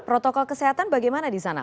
protokol kesehatan bagaimana di sana